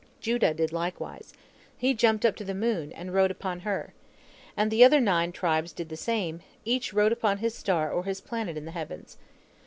Judah did likewise. He jumped up to the moon, and rode upon her. And the other nine tribes did the same, each rode upon his star or his planet in the heavens.